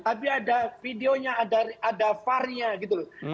tapi ada videonya ada varnya gitu loh